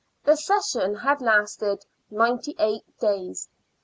The Session had lasted ninety eight days.